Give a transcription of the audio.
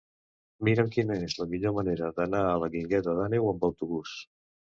Mira'm quina és la millor manera d'anar a la Guingueta d'Àneu amb autobús.